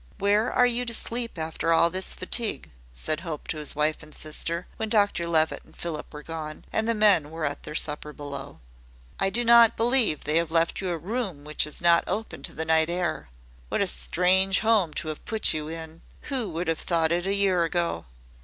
"Where are you to sleep after all this fatigue?" said Hope to his wife and sister, when Dr Levitt and Philip were gone, and the men were at their supper below. "I do not believe they have left you a room which is not open to the night air. What a strange home to have put you in! Who would have thought it a year ago?"